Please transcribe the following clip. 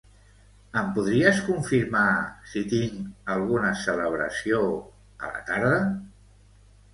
Em podries confirmar si tinc alguna celebració a la tarda?